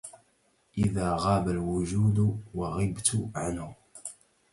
إذا غاب الوجود وغبت عنه